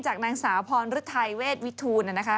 จากนางสาวพรรดรทัยเวชวิทูลนะนะคะ